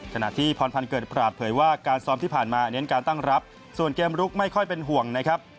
ขณะที่พรพันธ์เกิดปราศเผยว่าการซ้อมที่ผ่านมาเน้นการตั้งรับส่วนเกมลุกไม่ค่อยเป็นห่วงนะครับ